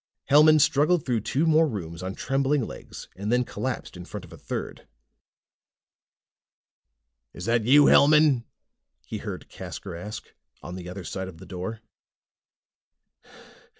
Hellman struggled through two more rooms on trembling legs and then collapsed in front of a third. "Is that you, Hellman?" he heard Casker ask, from the other side of the door.